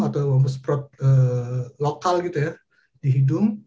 atau obat semprot lokal gitu ya di hidung